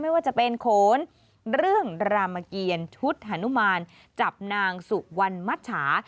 ไม่ว่าจะเป็นโขนเรื่องรามเกียรชุดฮานุมานจับนางสุวรรณมัชชา